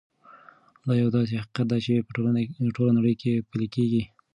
دا یو داسې حقیقت دی چې په ټوله نړۍ کې پلی کېږي.